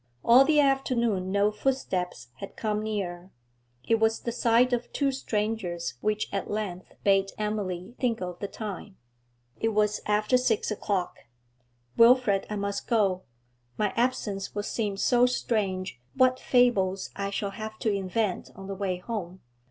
All the afternoon no footsteps had come near; it was the sight of two strangers which at length bade Emily think of the time. It was after six o'clock. 'Wilfrid, I must go. My absence will seem so strange what fables I shall have to invent on the way home.